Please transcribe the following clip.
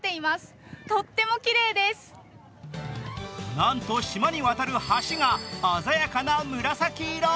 なんと島に渡る橋が鮮やかな紫色。